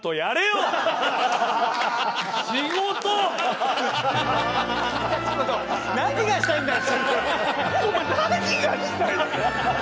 お前何がしたいんだ！